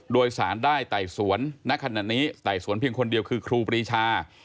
โดยสารได้ไต่สวนณขณะนี้ไต่สวนเพียงคนเดียวคือครูปรีชา